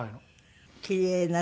キレイな海。